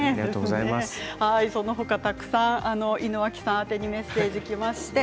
その他たくさん井之脇さん宛にメッセージがきました。